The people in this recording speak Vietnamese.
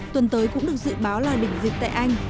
tuần tới cũng được dự báo là đỉnh dịch tại anh